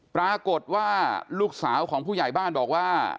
ปรากฏว่าลูกสาวของผู้ใหญ่บ้านบอกว่า